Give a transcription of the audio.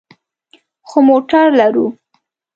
خو موټر لرو